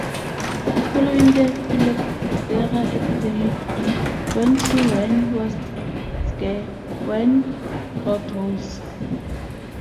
Following the Phylloxera epidemic, when true wine was scarce, wine fraud rose.